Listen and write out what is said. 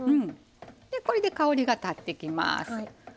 これで香りが立ってきます。